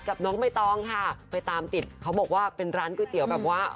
นักกับน้องไม้ต้องค่ะไปตามติดเขาบอกว่าเป็นร้านกุ้ยเหลี่ยวแบบว่า